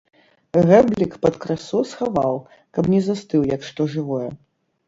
Гэблік пад крысо схаваў, каб не застыў, як што жывое.